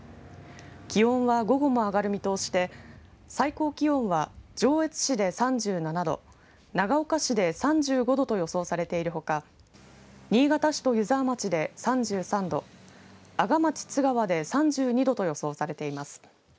気温は、午後も上がる見通しで最高気温は上越市で３７度長岡市で３５度と予想されているほか新潟市と湯沢町で３３度阿賀町津川で３２度と予想されています。